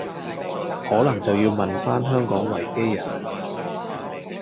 可能就要問返香港維基人喇